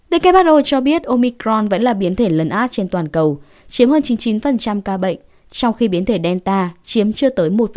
đề kết bắt đầu cho biết omicron vẫn là biến thể lần át trên toàn cầu chiếm hơn chín mươi chín ca bệnh trong khi biến thể delta chiếm chưa tới một